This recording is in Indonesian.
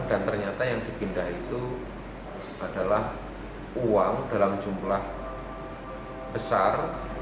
dan ternyata yang dipindah itu adalah uang dalam jumlah besar